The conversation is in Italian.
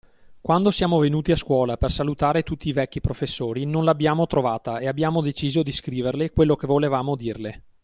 Quando siamo venuti a scuola per salutare tutti i vecchi professori non l'abbiamo trovata e abbiamo deciso di scriverle quello che volevamo dirle.